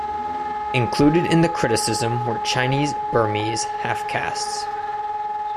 Included in the criticism were Chinese-Burmese half-castes.